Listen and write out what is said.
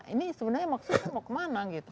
ini sebenarnya maksudnya mau kemana gitu